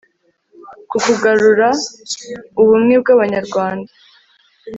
ku kugarura ubumwe bw'abanyarwanda